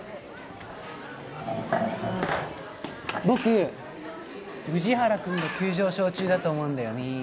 僕宇治原くんが急上昇中だと思うんだよね。